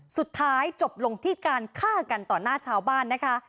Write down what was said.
สุดท้ายจบลงที่การฆ่ากันต่อหน้าชาวบ้านนะคะ